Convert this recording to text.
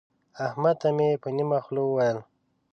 احمد ته مې په نيمه خوله وويل.